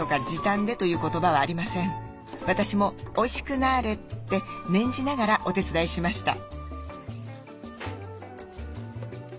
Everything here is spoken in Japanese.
私も「おいしくなれ」って念じながらお手伝いしました。